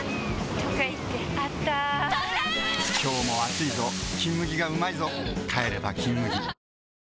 今日も暑いぞ「金麦」がうまいぞ帰れば「金麦」